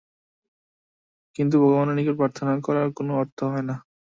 কিন্তু ভগবানের নিকট প্রার্থনা করার কোন অর্থ হয় না।